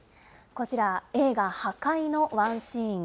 こちら、映画、破戒のワンシーン。